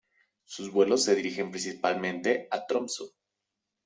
Sus vuelos se dirigen principalmente a Tromsø.